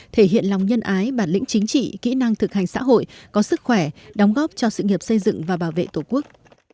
thể hiện lòng nhân ái bản lĩnh chính trị kỹ năng thực hành xã hội có sức khỏe đóng góp cho sự nghiệp xây dựng và bảo vệ tổ quốc